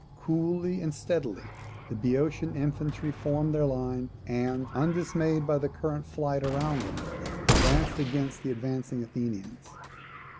Coolly and steadily the Boeotian infantry formed their line, and, undismayed by the current of flight around them, advanced against the advancing Athenians.